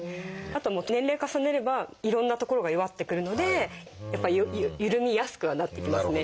あと年齢を重ねればいろんな所が弱ってくるのでやっぱり緩みやすくはなってきますね。